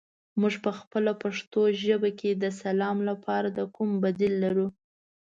موږ پخپله پښتو ژبه کې د سلام لپاره کوم بدیل لرو؟